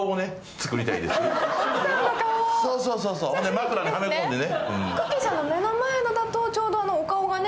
枕にはめこんでね。